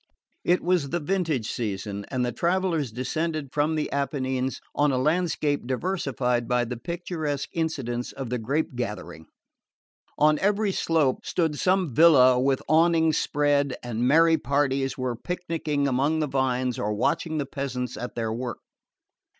It was the vintage season, and the travellers descended from the Apennines on a landscape diversified by the picturesque incidents of the grape gathering. On every slope stood some villa with awnings spread, and merry parties were picnicking among the vines or watching the peasants at their work.